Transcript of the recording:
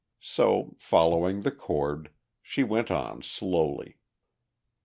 So, following the cord, she went on slowly.